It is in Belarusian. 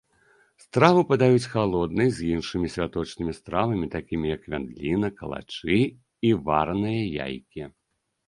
Страву падаюць халоднай з іншымі святочнымі стравамі, такімі як вяндліна, калачы і вараныя яйкі.